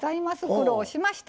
苦労しました。